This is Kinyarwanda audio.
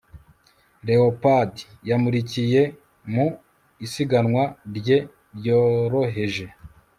leopold yamukurikiye mu isiganwa rye ryoroheje